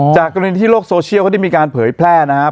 จากกรณีที่โลกโซเชียลเขาได้มีการเผยแพร่นะครับ